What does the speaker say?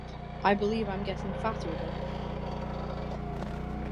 I believe I’m getting fatter, though.